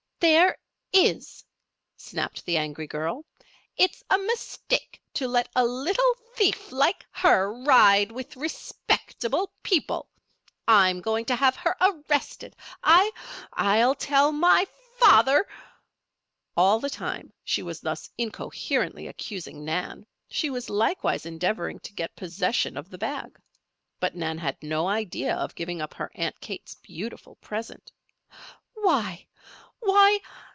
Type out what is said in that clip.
"There is!" snapped the angry girl. "It's a mistake to let a little thief like her ride with respectable people. I'm going to have her arrested! I I'll tell my father " All the time she was thus incoherently accusing Nan, she was likewise endeavoring to get possession of the bag. But Nan had no idea of giving up her Aunt Kate's beautiful present. "Why why!"